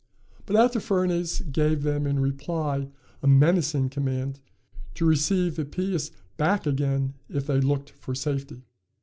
But Artaphernes gave them in reply a menacing command to receive Hippias back again if they looked for safety.